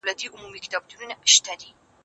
زه د کتابتون لپاره کار کړي دي؟